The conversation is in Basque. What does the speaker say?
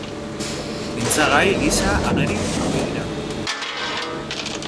Mintzagai gisa ageri ohi dira.